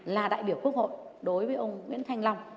là đại biểu quốc hội đối với ông nguyễn thanh long